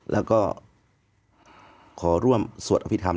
แล้วก็ขอร่วมสวดอภิษฐรร